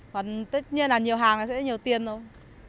còn tất nhiên là nhiều hàng nó sẽ nhiều tiền thôi